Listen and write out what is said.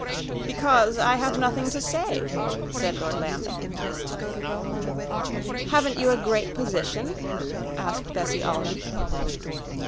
"Because I have nothing to say," said Lord Lambeth. "Haven't you a great position?" asked Bessie Alden.